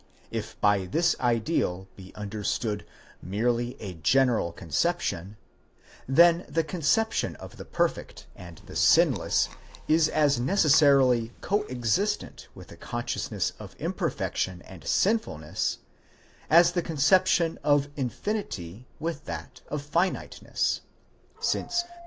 If by this ideal be understood merely a general conception, then the conception of the perfect and 'the sinless is as necessarily co existent with the consciousness of imperfection and sinfulness as the conception of infinity with that of finiteness; since the two § Schmid, ut sup.